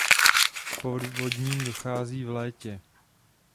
K povodním dochází v létě.